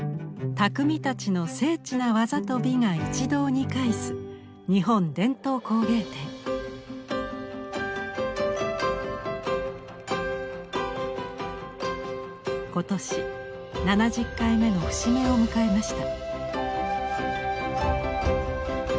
匠たちの精緻な技と美が一堂に会す今年７０回目の節目を迎えました。